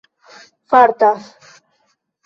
fartas